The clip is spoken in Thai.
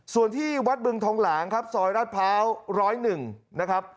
ส่วนที่วัดบึงทองหลางครับซอยราชพร้าว๑๐๑นะครับ